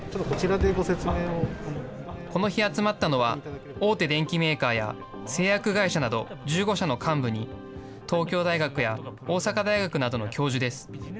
この日、集まったのは、大手電機メーカーや製薬会社など、１５社の幹部に、東京大学や大阪大学などの教授です。